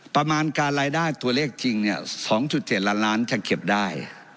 ประมาณการรายได้ตัวเลขจริง๒๗ล้านล้านจะเก็บได้